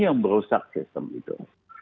ini yang berusak sistem itu